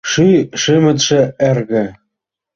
Ши-шимытше эрге.